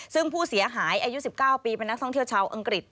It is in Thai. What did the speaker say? ซึ่งผู้เสียหายอายุ๑๙ปีเป็นนักท่องเที่ยวชาวอังกฤษ